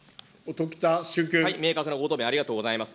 明確なご答弁ありがとうございます。